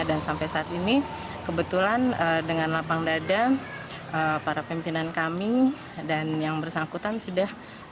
dan sampai saat ini kebetulan dengan lapang dada para pimpinan kami dan yang bersangkutan sudah